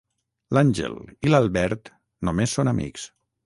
L'Àngel i l'Albert només són amics.